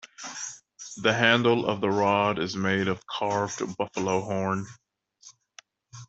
The handle of the rod is made of carved buffalo horn.